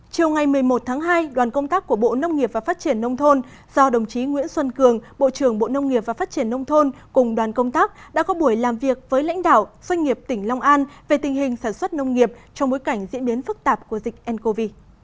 chiều ngày một mươi một tháng hai đoàn công tác của bộ nông nghiệp và phát triển nông thôn do đồng chí nguyễn xuân cường bộ trưởng bộ nông nghiệp và phát triển nông thôn cùng đoàn công tác đã có buổi làm việc với lãnh đạo doanh nghiệp tỉnh long an về tình hình sản xuất nông nghiệp trong bối cảnh diễn biến phức tạp của dịch ncov